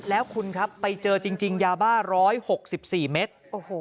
แล้วคุณไปเจอจริงยาบ้าร้อย๖๔เมตร